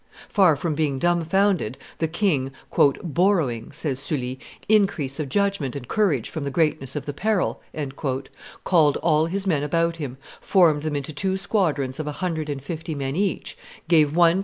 Far from being dumbfounded, the king, "borrowing," says Sully, "increase of judgment and courage from the greatness of the peril," called all his men about him, formed them into two squadrons of a hundred and fifty men each, gave one to M.